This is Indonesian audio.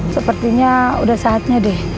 sepertinya udah saatnya deh